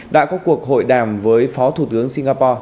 đã có cuộc hội đàm với phó thủ tướng singapore